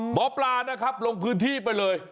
หมอปลานะครับลงพื้นที่ไปเลย